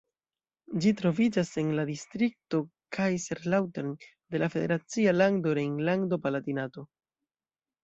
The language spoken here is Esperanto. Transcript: Ĝi troviĝas en la distrikto Kaiserslautern de la federacia lando Rejnlando-Palatinato.